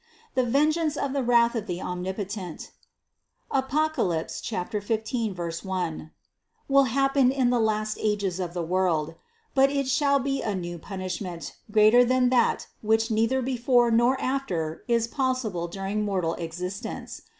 This vengeance of the wrath of the Omnipotent (Apoc. 15, 1) will happen in the last ages of the world; but it shall be a new punishment, greater than which neither before nor after is possible during mortal exist ence.